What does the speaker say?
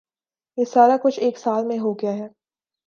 یہ سارا کچھ ایک سال میں ہو گیا ہے۔